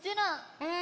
うん！